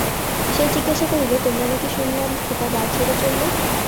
সে জিজ্ঞাসা করিল-তোমরা নাকি শোনলাম খোকা গা ছেড়ে চল্লে?